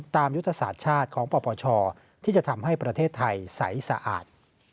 ยุทธศาสตร์ชาติของปปชที่จะทำให้ประเทศไทยใสสะอาด